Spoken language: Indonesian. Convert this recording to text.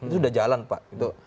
sudah jalan pak